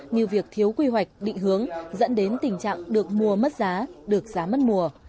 như việc thiếu quy hoạch định hướng dẫn đến tình trạng được mua mất giá được giá mất mùa